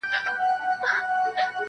• د زلمیو تویېدل پکښي سرونه -